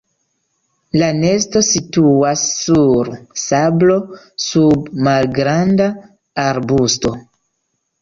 La nesto situas sur sablo sub malgranda arbusto.